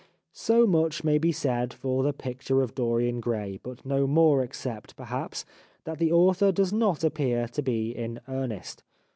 So much may be said for the ' Picture of Dorian Gray,' but no more, except, perhaps, that the author does not appear to be in earnest.